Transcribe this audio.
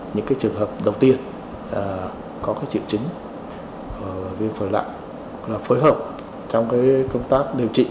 những trường hợp đầu tiên có triệu chứng viêm phở lạc là phối hợp trong công tác điều trị